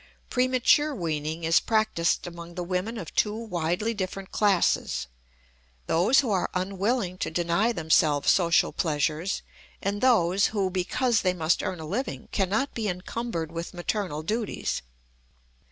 Premature weaning is practiced among the women of two widely different classes: those who are unwilling to deny themselves social pleasures, and those who, because they must earn a living, cannot be encumbered with maternal duties.